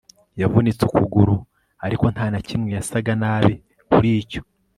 yavunitse ukuguru, ariko nta na kimwe yasaga nabi kuri cyo